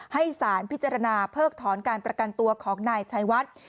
ให้สารพิจารณาเพิกถอนการประกันตัวของนายชัยวัด